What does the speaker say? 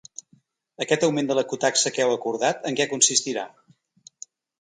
Aquest augment de l’ecotaxa que heu acordat, en què consistirà?